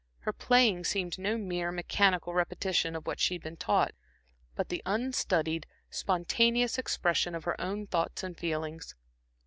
Her playing seemed no mere, mechanical repetition of what she had been taught, but the unstudied, spontaneous expression of her own thoughts and feelings.